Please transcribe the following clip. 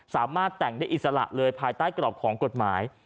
สามารถแต่งได้อิสระเลยภายใต้กรอบของกฎหมาย